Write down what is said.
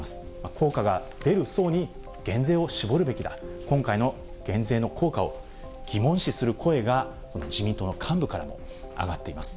効果が出る層に減税を絞るべきだ、今回の減税の効果を疑問視する声が、この自民党の幹部からも上がっています。